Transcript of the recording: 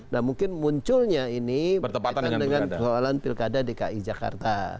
nah mungkin munculnya ini berkaitan dengan soalan pilkada dki jakarta